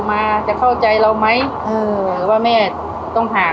มันเป็นยังไง